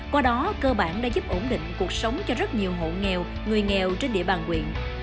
qua đó cơ bản đã giúp ổn định cuộc sống cho rất nhiều hộ nghèo người nghèo trên địa bàn quyện